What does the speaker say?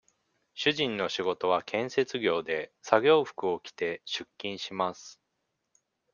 主人の仕事は、建築業で、作業服を着て、出勤します。